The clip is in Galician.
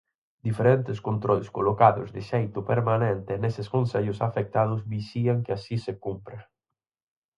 Diferentes controis colocados de xeito permanente neses concellos afectados vixían que así se cumpra.